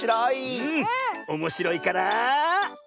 おもしろいから？